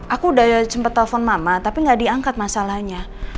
aku udah sempat telepon mama tapi gak diangkat masalahnya